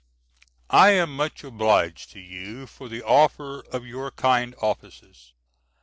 I am much obliged to you for the offer of your kind offices.